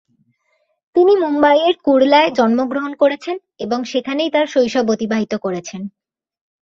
তিনি মুম্বইয়ের কুরলায় জন্মগ্রহণ করেছেন এবং সেখানেই তাঁর শৈশব অতিবাহিত করেছেন।